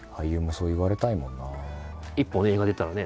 一本映画出たらね